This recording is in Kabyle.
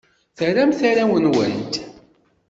Tramt arraw-nwent?